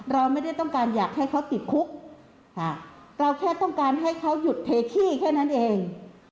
เราไม่ได้ต้องการอยากให้เขาติดคุกเราแค่ต้องการให้เขาหยุดเทขี้แค่นั้นเอง